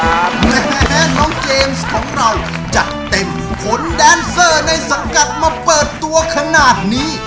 แม่น้องเจมส์ของเราจัดเต็มขนแดนเซอร์ในสังกัดมาเปิดตัวขนาดนี้